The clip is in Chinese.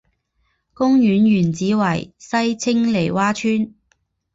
公园原址为西青泥洼村。